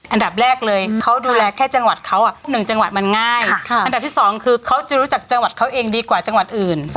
อันดับแรกเลยเขาดูแลแค่จังหวัดเขา๑จังหวัดมันง่ายอันดับที่๒คือเขาจะรู้จักจังหวัดเขาเองดีกว่าจังหวัดอื่น